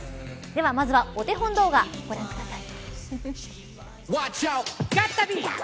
では、まずはお手本動画をご覧ください。